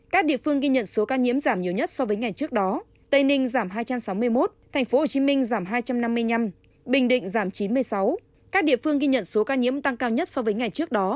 các địa phương ghi nhận số ca nhiễm giảm nhiều nhất so với ngày trước đó tây ninh giảm hai trăm sáu mươi một tp hcm giảm hai trăm năm mươi năm bình định giảm chín mươi sáu các địa phương ghi nhận số ca nhiễm tăng cao nhất so với ngày trước đó